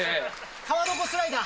川床スライダー。